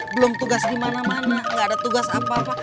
belum tugas dimana mana nggak ada tugas apa apa